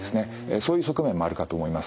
そういう側面もあるかと思います。